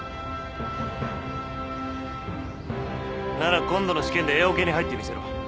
なら今度の試験でＡオケに入ってみせろ。